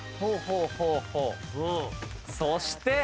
そして。